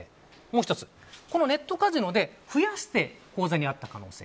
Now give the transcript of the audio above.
もう一つ、ネットカジノで増やして口座にあった可能性。